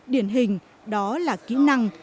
điển hình đó là kỹ năng